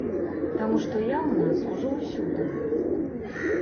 Таму што я ў нас ужо ўсюды быў.